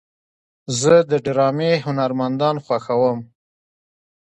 زه د ډرامې هنرمندان خوښوم.